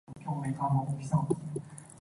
那時候，他們還沒有出世，